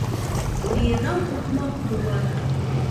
Лийынам окмак могай: